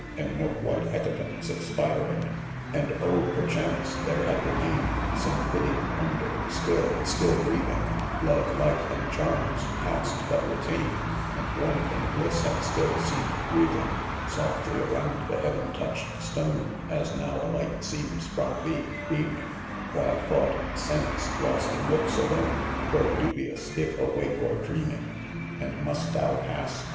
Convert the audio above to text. And .milk white hecatombs expiring* And oh I perchance there had remained Some Phidian Wonder— still, still breathing Love'—life— ^asd charms— past but retained ;— And warmth and bliss had still seemed wt eathing 5 Softly around t^eHearen touched stone, As now a light seems, from thee, beaming While thought — sense — los£ in looks 'alone, 'Grow dubious if awalceNor dreaming. \ And must tbou pass